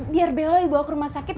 biar bella dibawa ke rumah sakit